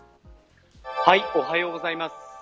おはようございます。